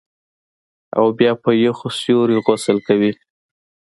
او بیا په یخو سیورو غسل کوي